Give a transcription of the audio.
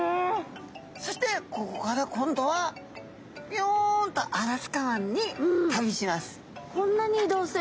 そしてここから今度はピヨンとアラスカ湾に旅します。